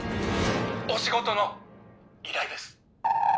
お仕事の依頼です。